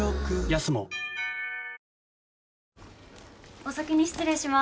お先に失礼します。